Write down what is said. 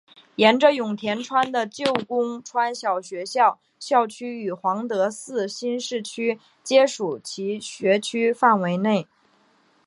沿着永田川的旧宫川小学校校区与皇德寺新市区皆属于其学区范围内。